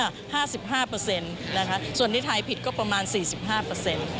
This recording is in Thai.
ห้าสิบห้าเปอร์เซ็นต์นะคะส่วนที่ไทยผิดก็ประมาณสี่สิบห้าเปอร์เซ็นต์